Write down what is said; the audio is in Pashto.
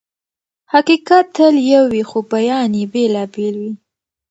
حقيقت تل يو وي خو بيان يې بېلابېل وي.